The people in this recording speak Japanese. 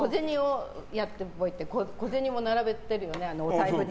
小銭も並べてるよね、お財布に。